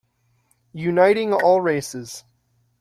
Uniting All Races.